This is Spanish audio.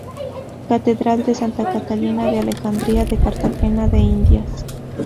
Catedral de Santa Catalina de Alejandría de Cartagena de Indias